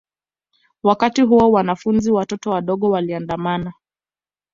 Wakati huo wanafunzi watoto wadogo waliandamana